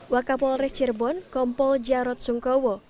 wakapol res cirebon kompol jarod sungkowo